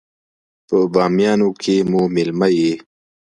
په بامیانو کې مو مېلمه يې.